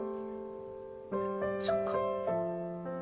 そっか。